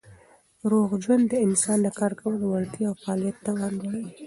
روغ ژوند د انسان د کار کولو وړتیا او د فعالیت توان لوړوي.